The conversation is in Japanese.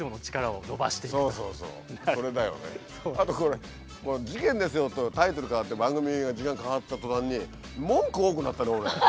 あとこれ「事件ですよ」とタイトル変わって番組が時間変わったとたんに文句多くなったね俺。